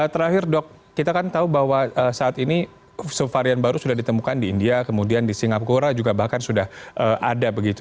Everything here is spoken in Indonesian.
terakhir dok kita kan tahu bahwa saat ini subvarian baru sudah ditemukan di india kemudian di singapura juga bahkan sudah ada begitu